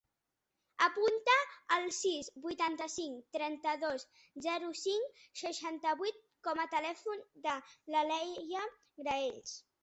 Apunta el sis, vuitanta-cinc, trenta-dos, zero, cinc, seixanta-vuit com a telèfon de la Leia Graells.